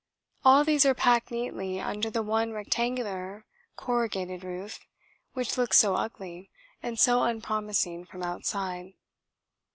All these are packed neatly under that one rectangular corrugated roof which looked so ugly and so unpromising from outside.